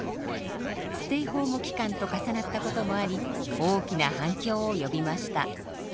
ステイホーム期間と重なったこともあり大きな反響を呼びました。